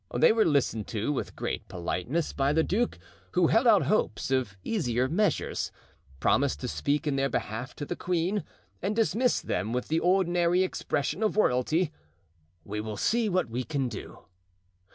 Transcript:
They were listened to with great politeness by the duke, who held out hopes of easier measures, promised to speak in their behalf to the queen, and dismissed them with the ordinary expression of royalty, "We will see what we can do."